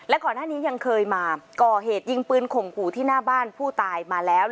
ก่อนหน้านี้ยังเคยมาก่อเหตุยิงปืนข่มขู่ที่หน้าบ้านผู้ตายมาแล้ว